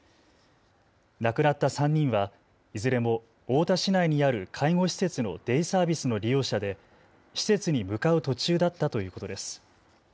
亡くなった３人はいずれも太田市内にある介護施設のデイサービスの利用者で施設に向かう途中だったということです。